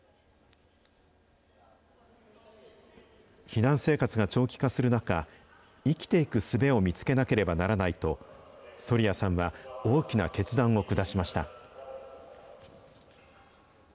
避難生活が長期化する中、生きていくすべを見つけなければならないと、ソリヤさんは大きな決断を下しました。